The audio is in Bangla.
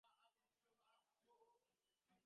গানের ধারায় আকাশ ভাসিয়ে দিতে ইচ্ছা করল, অভিমানের গান।